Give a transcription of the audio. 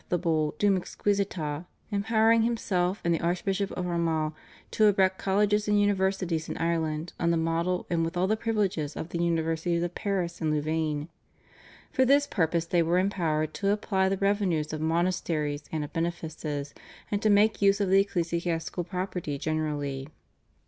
the Bull, /Dum exquisita/, empowering himself and the Archbishop of Armagh to erect colleges and universities in Ireland on the model and with all the privileges of the Universities of Paris and Louvain. For this purpose they were empowered to apply the revenues of monasteries, and of benefices, and to make use of the ecclesiastical property generally.